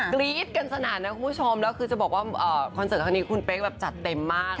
กรี๊ดกันสนั่นนะคุณผู้ชมแล้วคือจะบอกว่าคอนเสิร์ตครั้งนี้คุณเป๊กแบบจัดเต็มมาก